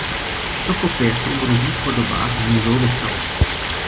Tyto kopie jsou v různých podobách v muzeu vystaveny.